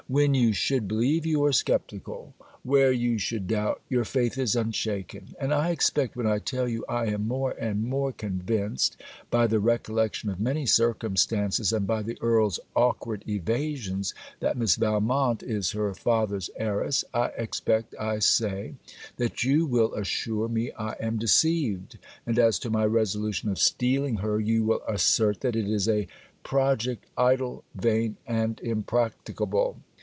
When you should believe, you are sceptical; where you should doubt, your faith is unshaken; and I expect when I tell you I am more and more convinced, by the recollection of many circumstances and by the Earl's awkward evasions, that Miss Valmont is her father's heiress I expect, I say, that you will assure me I am deceived: and, as to my resolution of stealing her, you will assert that it is a project idle, vain, and impracticable.